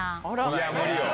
いやぁ、無理よ。